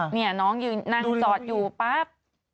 นี่น้องยืนนั่งจอดอยู่ปั๊บ